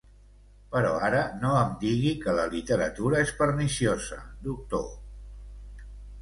Però ara no em digui que la literatura és perniciosa, doctor.